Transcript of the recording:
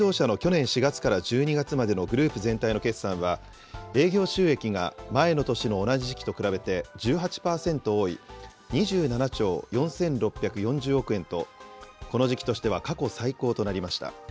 このうちトヨタ自動車の去年４月から１２月までのグループ全体の決算は、営業収益が前の年の同じ時期と比べて１８％多い２７兆４６４０億円と、この時期としては過去最高となりました。